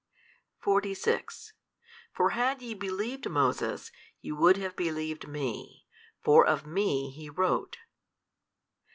46 For had ye believed Moses, ye would have believed Me: for of Me he wrote.